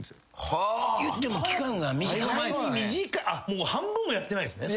もう半分もやってないんすね。